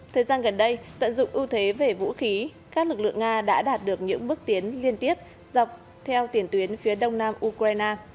thời gian gần đây tận dụng ưu thế về vũ khí các lực lượng nga đã đạt được những bước tiến liên tiếp dọc theo tiền tuyến phía đông nam ukraine